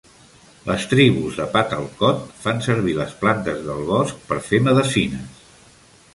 Les tribus de Patalkot fan servir les plantes del bosc per fer medecines.